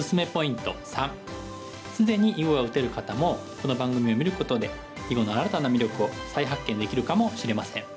既に囲碁が打てる方もこの番組を見ることで囲碁の新たな魅力を再発見できるかもしれません。